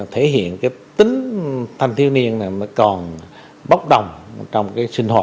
thể hiện cái tính thanh thiếu niên này nó còn bốc đồng trong cái sinh hoạt